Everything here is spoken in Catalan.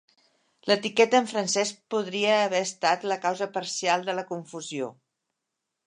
L'etiqueta en francès podria haver estat la causa parcial de la confusió.